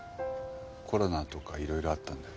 コロナとかいろいろあったんで。